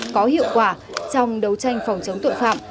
có hiệu quả trong đấu tranh phòng chống tội phạm